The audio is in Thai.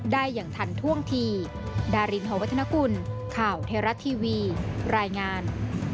ได้อย่างทันท่วงทีดารินหอวัฒนกุลข่าวเทราะทีวีรายงาน